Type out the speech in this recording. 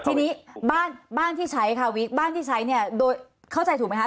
ที่นี้บ้านที่ใช้คาวิทบ้านที่ใช้เนี่ยเข้าใจถูกไหมครับ